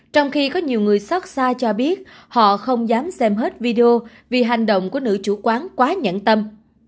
trong khi có nhiều người xót xa cho biết họ không dám xem hết video vì hành động của nữ chủ quán quá nhẫn tâm